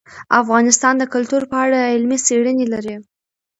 افغانستان د کلتور په اړه علمي څېړنې لري.